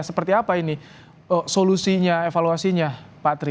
seperti apa ini solusinya evaluasinya pak tri